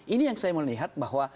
ini yang saya melihat bahwa